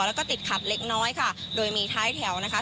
แล้วก็ติดขัดเล็กน้อยค่ะโดยมีท้ายแถวนะคะ